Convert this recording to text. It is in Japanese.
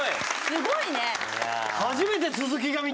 すごいね！